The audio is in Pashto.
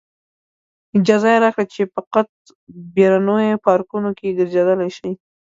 اجازه یې راکړه چې فقط بیرونیو پارکونو کې ګرځېدلی شئ.